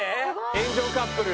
炎上カップル。